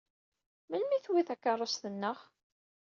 Melmi i tewwi takeṛṛust-nneɣ?